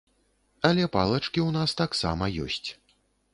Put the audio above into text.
Але палачкі ў нас таксама ёсць.